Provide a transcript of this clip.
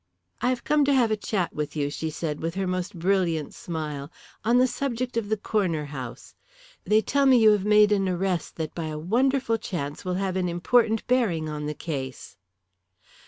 "I have come to have a chat with you," she said with her most brilliant smile, "on the subject of the Corner House. They tell me you have made an arrest that by a wonderful chance will have an important bearing on the case."